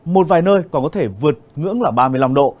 một vài nơi còn có thể vượt ngưỡng là ba mươi năm độ